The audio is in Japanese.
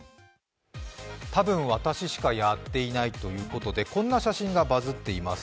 多分私しかやっていないということで、こんな写真がバズっています。